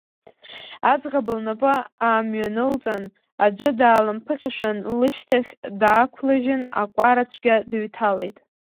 Аӡӷаб лнапы аамҩанылҵан аӡәы даалымԥыхьашәан лышьҭахь даақәлыжьын акәара цәгьа дыҩҭалеит.